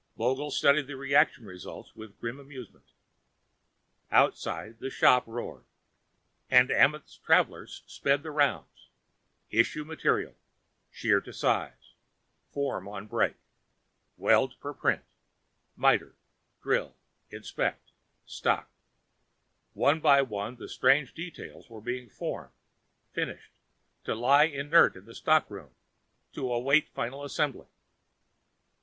Vogel studied the reaction results with grim amusement. Outside, the shop roared. And Amenth's travelers sped the rounds: Issue material; Shear to size; Form on brake; Weld per print; Miter, drill, inspect, stock. One by one, the strange details were being formed, finished, to lie inert in the stockroom, to await final assembly.